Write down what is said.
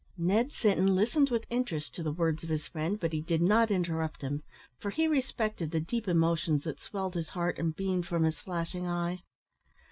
'" Ned Sinton listened with interest to the words of his friend, but he did not interrupt him, for he respected the deep emotions that swelled his heart and beamed from his flashing eye.